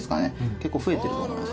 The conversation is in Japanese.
結構増えてると思います。